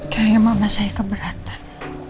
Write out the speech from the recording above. kayaknya mama saya keberatan